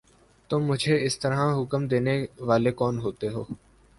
تم مجھے اس طرح حکم دینے والے کون ہوتے ہو؟